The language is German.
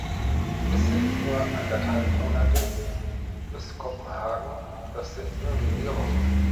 Es sind nur anderthalb Monate bis Kopenhagen, das sind nur wenige Wochen.